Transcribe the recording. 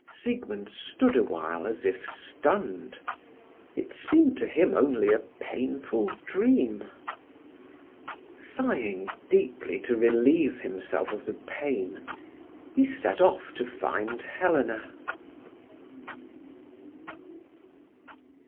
Siegmund stood awhile as if stunned. It seemed to him only a painful dream. Sighing deeply to relieve himself of the pain, he set off to find Helena.